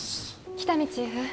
喜多見チーフ